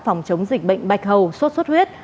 phòng chống dịch bệnh bạch hầu suốt suốt huyết